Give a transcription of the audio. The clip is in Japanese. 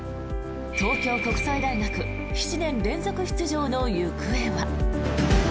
東京国際大学７年連続出場の行方は。